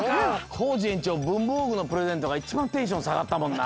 コージ園長ぶんぼうぐのプレゼントがいちばんテンションさがったもんな。